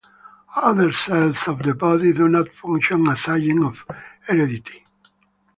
Other cells of the body do not function as agents of heredity.